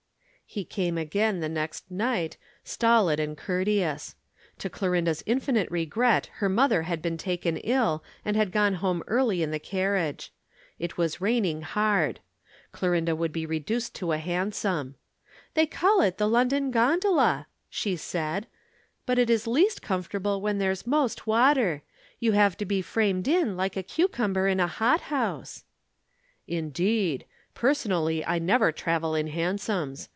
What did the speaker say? He came again the next night, stolid and courteous. To Clorinda's infinite regret her mother had been taken ill and had gone home early in the carriage. It was raining hard. Clorinda would be reduced to a hansom. "They call it the London gondola," she said, "but it is least comfortable when there's most water. You have to be framed in like a cucumber in a hothouse." "Indeed! Personally I never travel in hansoms.